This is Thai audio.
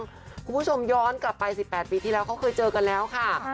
คุณผู้ชมย้อนกลับไป๑๘ปีที่แล้วเขาเคยเจอกันแล้วค่ะ